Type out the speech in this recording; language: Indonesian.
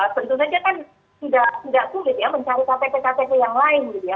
tentu saja kan tidak sulit ya mencari ktp ktp yang lain gitu ya